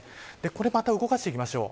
これまた動かしていきましょう。